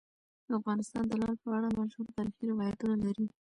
افغانستان د لعل په اړه مشهور تاریخی روایتونه لري.